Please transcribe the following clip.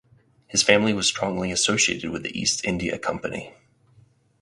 His family was strongly associated with the East India Company.